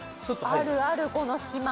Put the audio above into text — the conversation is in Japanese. あるあるこの隙間。